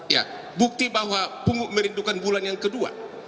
ya bukti bahwa punguk merindukan bulan yang kedua